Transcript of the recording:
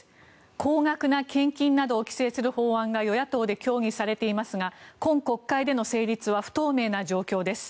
高額な献金などを規制する法案を与野党で協議されていますが今国会での成立は不透明な状況です。